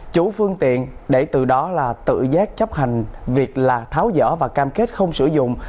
chủ phương tiện để từ đó là tự giác chấp hành việc là tháo dở và cam kết không sử dụng